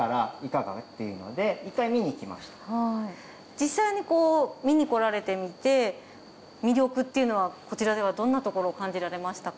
実際に見にこられてみて魅力っていうのはこちらではどんなところを感じられましたか？